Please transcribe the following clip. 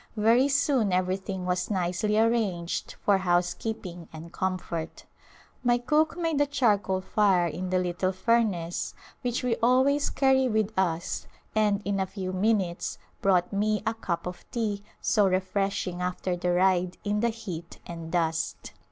Very soon everything was nicely arranged for housekeeping and comfort. My cook made a charcoal fire in the little furnace which we al ways carry with us and in a few minutes brought me a cup of tea, so refreshing after the ride in the heat and dust.